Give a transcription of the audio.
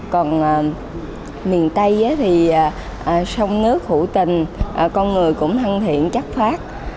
còn miền tây thì sông nước hữu tình con người cũng thân thiện chất phát